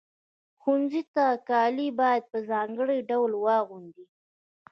ښوونځي ته کالي باید په ځانګړي ډول واغوندئ.